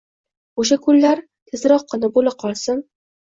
O’sha kunlar tezrokkina bo’la qolsin